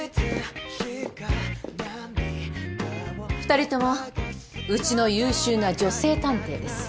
２人ともうちの優秀な女性探偵です。